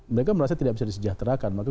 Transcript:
mereka merasa tidak bisa disejahterakan